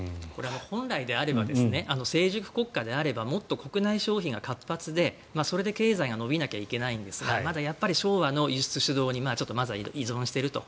本来であれば成熟国家であればもっと国内消費が活発でそれで経済が伸びなきゃいけないんですがまだ昭和の輸出主導にまだ依存していると。